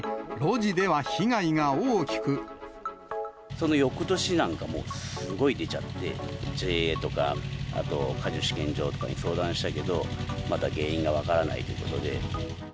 そのよくとしなんかも、すごい出ちゃって、ＪＡとか、あと果樹試験場とかに相談したけど、まだ原因が分からないということで。